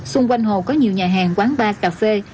xung quanh hồ có nhiều nhà hàng quán bar cà phê